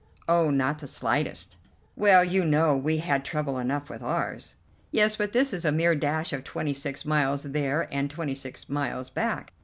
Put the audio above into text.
"Oh, not the slightest." "Well, you know, we had trouble enough with ours." "Yes, but this is a mere dash of twenty six miles there and twenty six miles back.